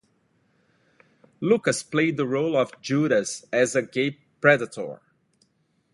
Lucas played the role of Judas as a gay predator.